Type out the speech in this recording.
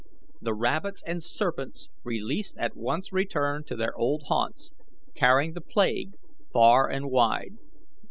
The rabbits and serpents released at once returned to their old haunts, carrying the plague far and wide.